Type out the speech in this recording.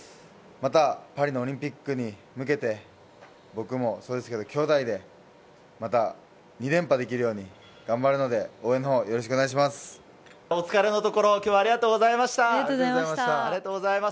またパリのオリンピックに向けて、僕もそうですけど、きょうだいでまた２連覇できるように頑張るので応援のほう、よろしくお願いします。